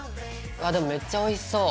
あでもめっちゃおいしそう。